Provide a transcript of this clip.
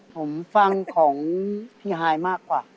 ผมฟังของพี่ฮายมากกว่า